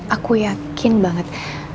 aku yakin banget